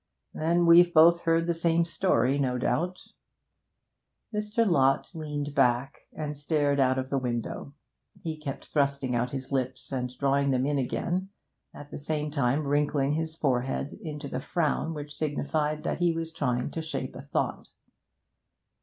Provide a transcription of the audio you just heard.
'Then we've both heard the same story, no doubt.' Mr. Lott leaned back and stared out of the window. He kept thrusting out his lips and drawing them in again, at the same time wrinkling his forehead into the frown which signified that he was trying to shape a thought.